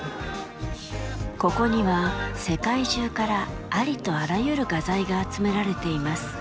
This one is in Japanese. ここには、世界中からありとあらゆる画材が集められています。